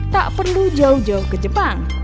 tak perlu jauh jauh ke jepang